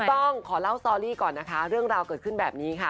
ต้องขอเล่าสตอรี่ก่อนนะคะเรื่องราวเกิดขึ้นแบบนี้ค่ะ